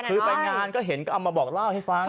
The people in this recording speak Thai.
คือไปงานก็เห็นก็เอามาบอกเล่าให้ฟัง